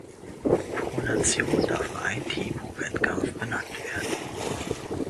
Pro Nation darf nur ein Team pro Wettkampf benannt werden.